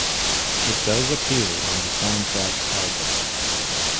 It does appear on the soundtrack album.